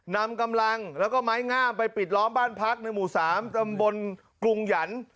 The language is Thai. นำกำลังแล้วก็ไม้งามไปปิดล้อมบ้านพักในหมู่๓ตำบลกรุงหยัน